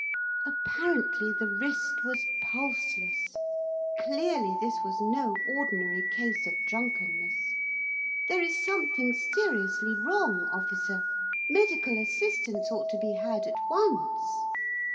Apparently the wrist was pulseless. Clearly this was no ordinary case of drunkenness. 'There is something seriously wrong, officer. Medical assistance ought to be had at once.